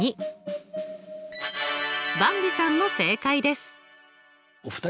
ばんびさんも正解です。